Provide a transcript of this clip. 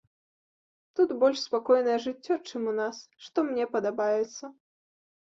Тут больш спакойнае жыццё, чым у нас, што мне падабаецца.